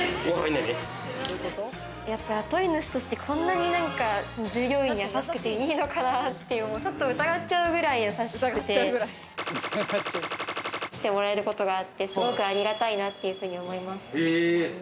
雇い主として、こんなに従業員に優しくていいのかなって疑っちゃうくらい優しくて、してもらえることがあって、すごくありがたいなって思います。